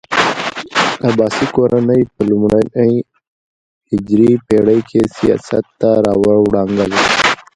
عباسي کورنۍ په لومړنۍ هجري پېړۍ کې سیاست ته راوړانګل.